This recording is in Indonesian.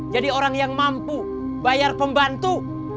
jadi orang yang mampu bayar pembantu